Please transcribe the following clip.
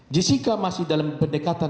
jessica masih dalam pendekatan